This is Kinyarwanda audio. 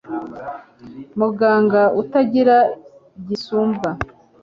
muganga utagira gisumbwa